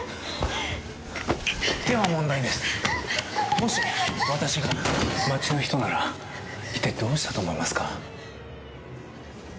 もし私が町の人なら一体どうしたと思いますか？